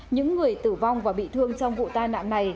những người tử vong và bị thương trong vụ tai nạn này